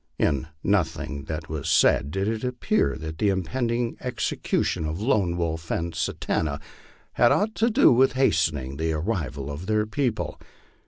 In nothing that was said did it appear that the impending execution of Lone Wolf and Satanta had aught to do with hastening the arrival of their people.